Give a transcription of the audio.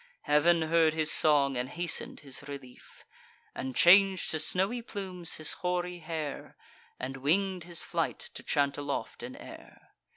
Heav'n heard his song, and hasten'd his relief, And chang'd to snowy plumes his hoary hair, And wing'd his flight, to chant aloft in air.